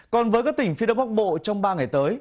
còn với các tỉnh phía đông bắc bộ trong ba ngày tới